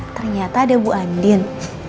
ternyata ada bu andien